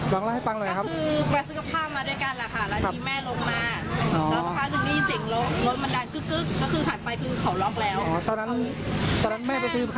น้องเล่าให้ฟังหน่อยครับคือไปซื้อกับข้าวมาด้วยกันแหละค่ะ